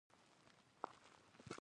پنېر د ماشومانو وزن زیاتوي.